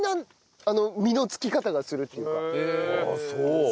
ああそう。